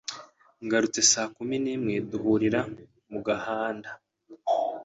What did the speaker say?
Nagarutse saa kumi n’imwe duhurira mu gahanda